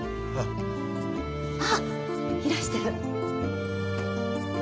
あっいらしてる。